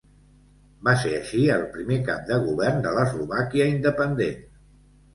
Va ser així el primer cap de govern de l'Eslovàquia independent.